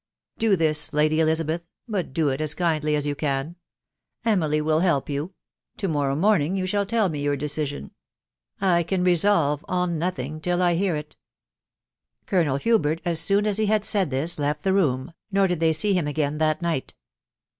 I>o this, Lady Tjilmbnthj but do st as kindly sb you can, .... Emily will help gma to morrow morning ysu shall tell uae youriaVrisissi ...•« I«an resolve on nothing till I hear it." Colonel Hubert, us bouu as he had said this, left she jssss, nor did they see him again that night.